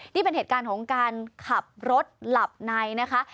นี่เป็นเหตุการณ์ของการขับรถหลับในนะคะ